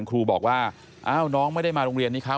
ครูบอกว่าน้องไม่มาโรงเรียนนี้ค่ะ